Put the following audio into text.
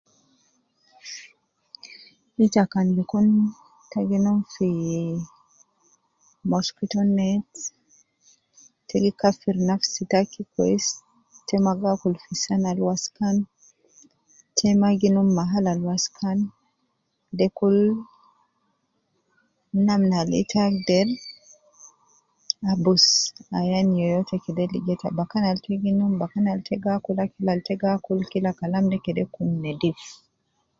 Ita kan bi Kun ita gi num fi ii mosquito net, te gi kafir nafsi taki kwess, te ma gaakul fi saan al ma waskan te maa gi numu mahal al wasakan de kul namna al ita agder abusu Ayan yoyote kede ligo ita. Bakan Al ita gi num bakan Al ita gi akul kede kun nedif